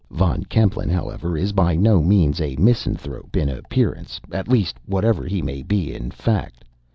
Von Kempelen, however, is by no means 'a misanthrope,' in appearance, at least, whatever he may be in fact.